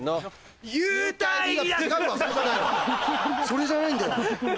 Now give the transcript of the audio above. それじゃないんだよ！